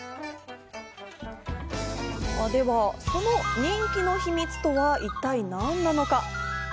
その人気の秘密とは一体何なのか？